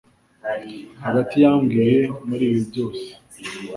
Hagati yambwiye muri ibi byose